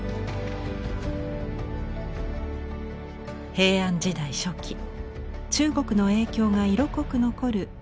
平安時代初期中国の影響が色濃く残る仏像です。